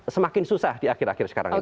semakin susah di akhir akhir sekarang ini